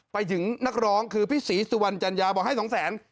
ไปถึงนักร้องคือพี่ศรีสุวรรณจัญญาบอกให้สองแสน